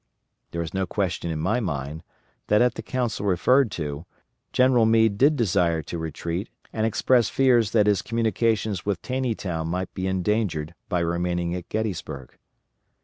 There is no question in my mind that, at the council referred to, General Meade did desire to retreat, and expressed fears that his communications with Taneytown might be endangered by remaining at Gettysburg.